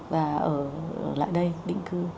và ở lại đây định cư